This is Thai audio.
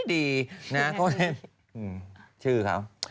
โทรเทมชื่อครับ